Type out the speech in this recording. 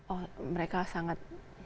oh mereka sangat